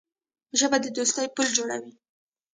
ژبه د دوستۍ پُل جوړوي